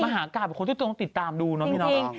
มหากาศเป็นคนที่ต้องติดตามดูนะมีนาง